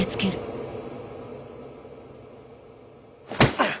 あっ！